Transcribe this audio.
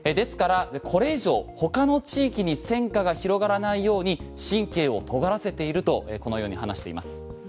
これ以上、他の地域に戦火が広がらないように神経をとがらせているとこのように話しています。